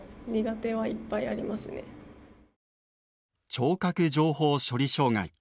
聴覚情報処理障害。